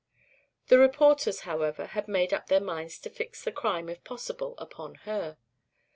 The reporters, however, had made up their minds to fix the crime, if possible, upon her.